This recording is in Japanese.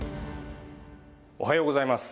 おはようございます。